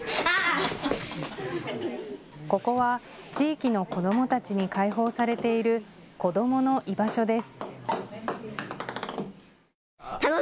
ここは地域の子どもたちに開放されている子どもの居場所です。